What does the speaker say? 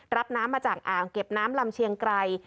รับน้ำมาจากอ่างเก็บน้ำลำเชียงไกร